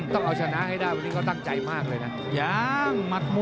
ต้องเอาชนะให้ได้วันนี้ก็ตั้งใจมากเลยนะ